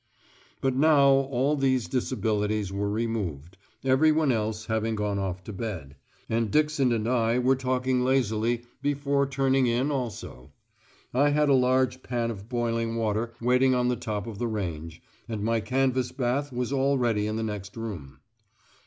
But now all these disabilities were removed, everyone else having gone off to bed, and Dixon and I were talking lazily before turning in also. I had a large pan of boiling water waiting on the top of the range, and my canvas bath was all ready in the next room.